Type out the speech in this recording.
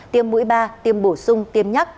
tiêm mũi ba tiêm bổ sung tiêm nhắc